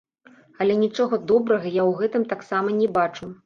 Але нічога добрага я ў гэтым таксама не бачу.